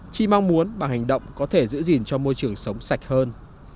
chỉ mong muốn bằng hành động có thể giữ gìn cho môi trường sống sạch hơn